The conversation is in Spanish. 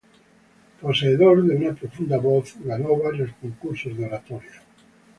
Poseedor de una profunda voz, ganó varios concursos de oratoria.